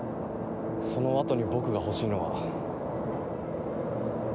そのあとに僕が欲しいのは。